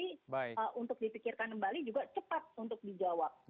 tapi untuk dipikirkan kembali juga cepat untuk dijawab